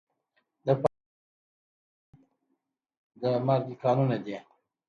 د فراه په پرچمن کې د مالګې کانونه دي.